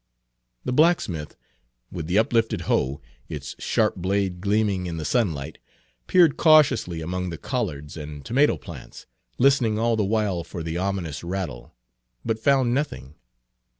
The blacksmith, with the uplifted hoe, its sharp blade gleaming in the sunlight, peered cautiously among the collards and tomato plants, listening all the while for the ominous rattle, but found nothing.